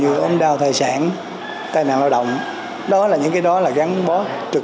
thế độ ví dụ như ông đau thài sản tai nạn lao động đó là những cái đó là gắn bóp trực